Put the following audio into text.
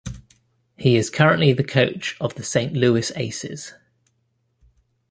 He is currently the coach of the Saint Louis Aces.